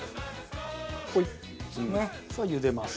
茹でます。